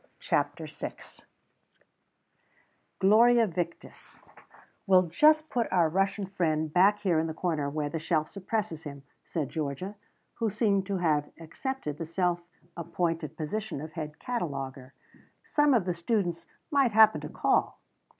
CHAPTER VI "GLORIA VICTIS" "We'll just put our Russian friend back here in the corner, where the shelf suppresses him," said Georgia, who seemed to have accepted the self appointed position of head cataloguer. "Some of the students might happen to call."